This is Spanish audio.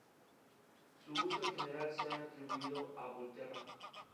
El nombre del varón con quien hoy he trabajado es Booz.